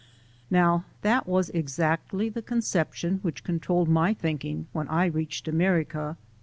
Now that was exactly the conception which con trolled my thinking when I reached America.